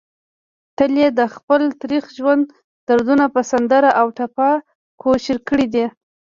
تل يې دخپل تريخ ژوند دردونه په سندره او ټپه کوشېر کړي دي